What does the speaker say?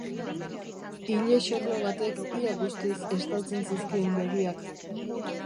Ile-xerlo batek ia guztiz estaltzen zizkion begiak.